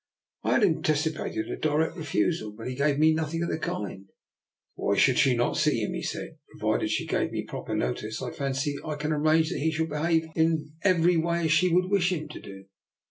I had anticipated a direct refusal, but he gave me nothing of the kind. " Why should she not see him? " he said. " Provided she gave me proper notice, I fancy I can arrange that he shall behave in every way as she would wish him to do."